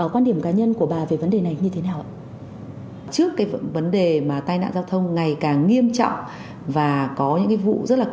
quan điểm cá nhân của bà về vấn đề này như thế nào ạ